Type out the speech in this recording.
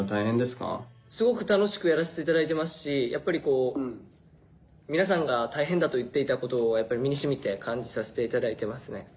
すごく楽しくやらせていただいてますしやっぱり皆さんが大変だと言っていたことを身に染みて感じさせていただいてますね。